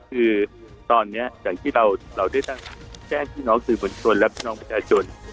คือตอนนี้อย่างที่เราได้แจ้งพี่น้องสื่อบนชนและพี่น้องประชาชน